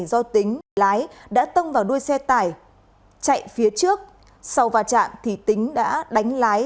do tính lái đã tông vào đuôi xe tải chạy phía trước sau vào trạng tính đã đánh lái